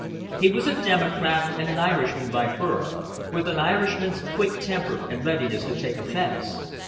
He was a Democrat, and an Irishman by birth, with an Irishman's quick temper and readiness to take offense.